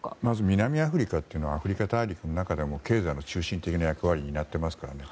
南アフリカというのはアフリカ大陸の中でも経済の中心的な役割を担ってますからね。